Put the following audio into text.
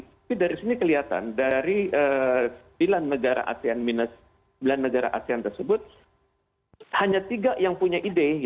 tapi dari sini kelihatan dari sembilan negara asean tersebut hanya tiga yang punya ide